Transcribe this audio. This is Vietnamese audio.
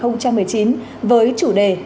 năm hai nghìn một mươi chín với chủ đề